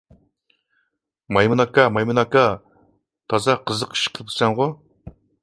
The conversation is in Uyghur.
مايمۇن ئاكا، مايمۇن ئاكا، تازا قىزىق ئىش قىلىپسەنغۇ!